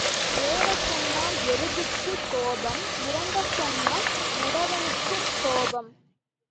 ஏறச் சொன்னால் எருதுக்குக் கோபம் இறங்கச் சொன்னால் முடவனுக்குக் கோபம்.